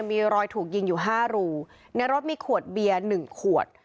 มีรอยถูกยิงอยู่ห้ารูในรถมีขวดเบียร์๑ขวด